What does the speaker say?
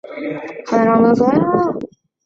大学时期他两度入选全美大学最佳阵容。